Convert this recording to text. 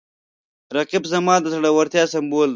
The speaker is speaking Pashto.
رقیب زما د زړورتیا سمبول دی